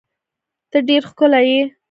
ته ډیر ښکلی یی